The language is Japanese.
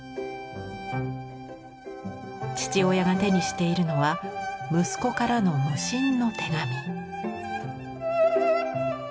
父親が手にしているのは息子からの無心の手紙。